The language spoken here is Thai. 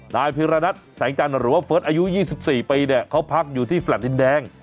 นายพิรณัทแสงจันทร์หรือว่าเฟิร์สอายุ๒๔ปีเนี่ยเขาพักอยู่ที่แฟลต์ดินแดง